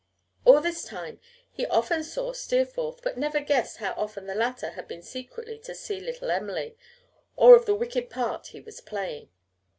All this time he often saw Steerforth, but never guessed how often the latter had been secretly to see little Em'ly or of the wicked part he was playing.